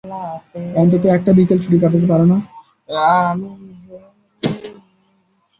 অন্তত একটা বিকেল ছুটি কাটাতে পারো না?